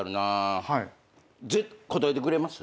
答えてくれます？